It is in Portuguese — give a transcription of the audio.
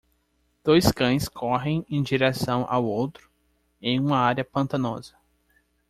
Dois cães correm em direção ao outro em uma área pantanosa.